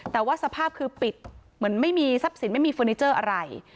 แต่ว่าสภาพคือปิดเหมือนไม่มีทรัพย์สินไม่มีเฟอร์นิเจอร์อะไร